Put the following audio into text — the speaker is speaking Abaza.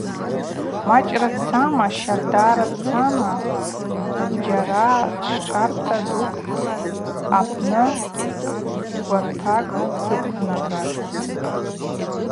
Мачӏра дцама, щардара дцама зджьара тшшарта дукӏ апны гвартакӏ дыквнагатӏ.